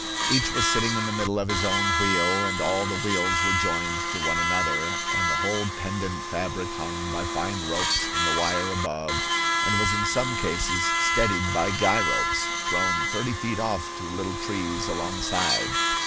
Each was sitting in the middle of his own wheel, and all the wheels were joined to one another; and the whole pendent fabric hung by fine ropes from the wire above, and was in some cases steadied by guy ropes, thrown thirty feet off to little trees alongside.